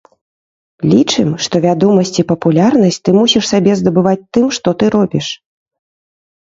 Лічым, што вядомасць і папулярнасць ты мусіш сабе здабываць тым, што ты робіш.